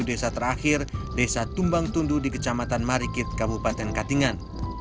jalan tanah menuju desa terakhir desa tumbang tundu di kecamatan marikit kabupaten katingan